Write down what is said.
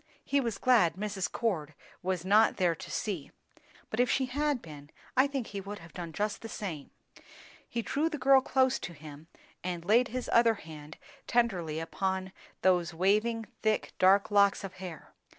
He was glad Mrs. Cord was not there to see; but if she had been, I think he would have done just the same. He drew the girl close to him, and laid his other hand tenderly upon those waving, thick, dark locks of hair.